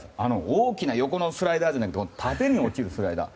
大きな横のスライダーではなく縦に落ちるスライダー。